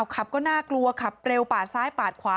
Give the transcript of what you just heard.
ขับก็น่ากลัวขับเร็วปาดซ้ายปาดขวา